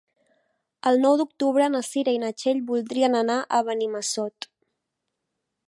El nou d'octubre na Cira i na Txell voldrien anar a Benimassot.